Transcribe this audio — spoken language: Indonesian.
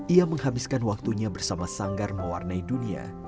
ia menghabiskan waktunya bersama sanggar mewarnai dunia